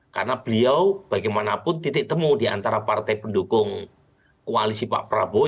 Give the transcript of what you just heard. karena beliau bagaimanapun titik temu di antara partai pendukung koalisi pak prabowo